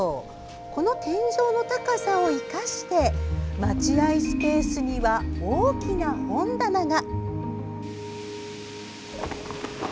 この天井の高さを生かして待合スペースには大きな本棚が！